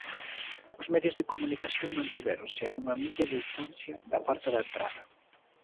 Os medios de comunicación mantivéronse a unha milla de distancia da porta de entrada.